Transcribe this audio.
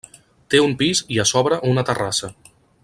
Té un pis i a sobre una terrassa.